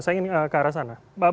saya ingin ke arah sana